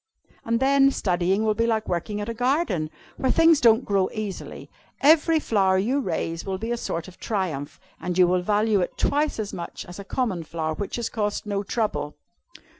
And then, studying will be like working at a garden, where things don't grow easily. Every flower you raise will be a sort of triumph, and you will value it twice as much as a common flower which has cost no trouble."